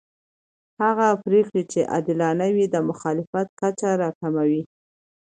هغه پرېکړې چې عادلانه وي د مخالفت کچه راکموي